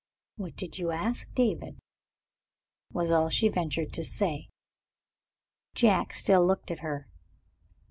"What did you ask David?" was all she ventured to say. Jack still looked at her.